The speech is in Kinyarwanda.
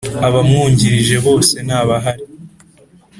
Abamwungirije bose ntabahari.